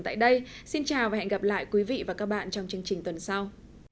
tại đây xin chào và hẹn gặp lại quý vị và các bạn trong chương trình tuần sau